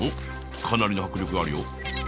かなりの迫力あるよ。